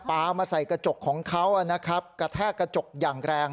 มาใส่กระจกของเขานะครับกระแทกกระจกอย่างแรง